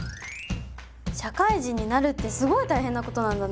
社会人になるってすごい大変なことなんだね。